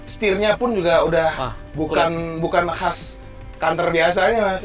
setirnya pun juga udah bukan khas kanter biasanya mas